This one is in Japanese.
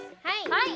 はい！